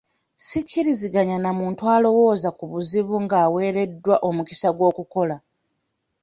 Sikkiriziganya na muntu alowooza ku bizibu nga aweereddwa omukisa ogw'okukola.